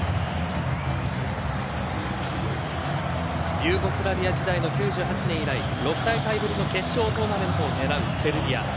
ユーゴスラビア時代の９８年以来６大会ぶりの決勝トーナメントを狙うセルビア。